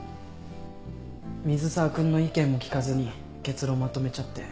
水沢君の意見も聞かずに結論まとめちゃって。